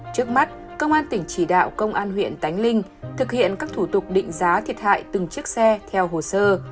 trước mắt công an tỉnh chỉ đạo công an huyện tánh linh thực hiện các thủ tục định giá thiệt hại từng chiếc xe theo hồ sơ